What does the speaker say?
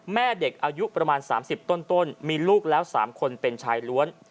แม่เด็กอายุประมาณ๓๐ต้นมีลูกแล้ว๓คนเป็นชายล้วน